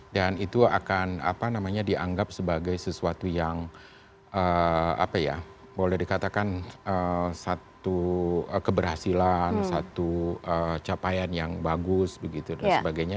dan itu akan dianggap sebagai sesuatu yang boleh dikatakan satu keberhasilan satu capaian yang bagus dan sebagainya